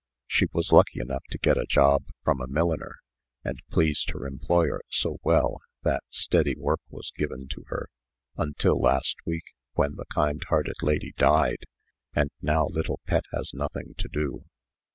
She was lucky enough to get a job from a milliner, and pleased her employer so well, that steady work was given to her, until last week, when the kind hearted lady died, and now little Pet has nothing to do.